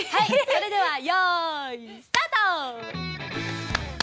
それではよいスタート！